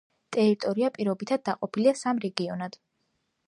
ტერიტორია პირობითად დაყოფილია სამ რეგიონად.